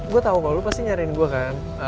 gue tau kok lo pasti nyariin gue kan